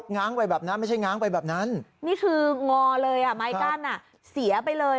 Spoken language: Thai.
ง้างออกไปแบบนี้